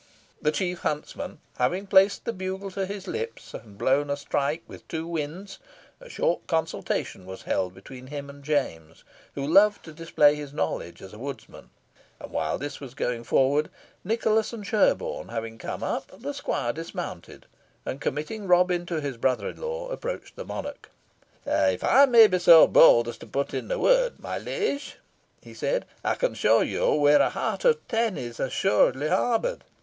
The chief huntsman having placed the bugle to his lips, and blown a strike with two winds, a short consultation was held between him and James, who loved to display his knowledge as a woodsman; and while this was going forward, Nicholas and Sherborne having come up, the squire dismounted, and committing Robin to his brother in law, approached the monarch. "If I may be so bold as to put in a word, my liege," he said, "I can show you where a hart of ten is assuredly harboured.